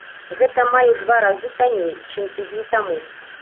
Гэта амаль у два разы танней, чым тыдзень таму.